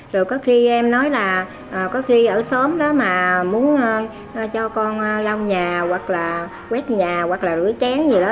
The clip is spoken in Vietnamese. rồi có khi em nói là có khi ở xóm đó mà muốn cho con long nhà hoặc là quét nhà hoặc là rửa chén gì đó